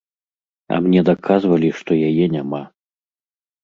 А мне даказвалі, што яе няма.